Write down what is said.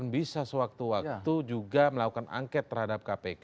bisa sewaktu waktu juga melakukan angket terhadap kpk